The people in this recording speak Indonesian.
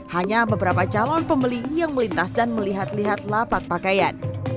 hanya beberapa calon pembeli yang melintas dan melihat lihat lapak pakaian